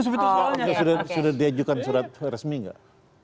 sudah diajukan surat resmi nggak